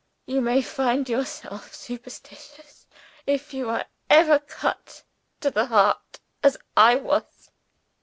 You may find yourself superstitious, if you are ever cut to the heart as I was.